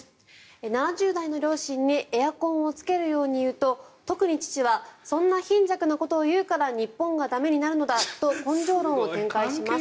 ７０代の両親にエアコンをつけるように言うと特に父はそんな貧弱なことを言うから日本が駄目になるのだと根性論を展開します。